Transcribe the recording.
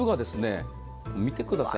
見てください。